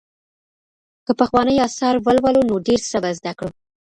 که پخواني آثار ولولو نو ډېر څه به زده کړو.